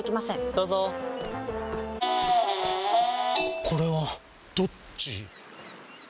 どうぞこれはどっち？